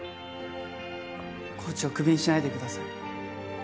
コーチをクビにしないでください。